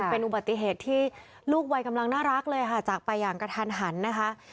เป็นอุบัติเหตุที่ลูกวัยกำลังน่ารักเลยค่ะจากไปอย่างกระทันหันนะคะ